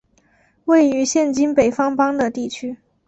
位于现今北方邦的地区。